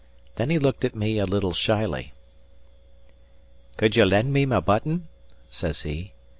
Then he looked at me a little shyly. "Could ye lend me my button?" says he.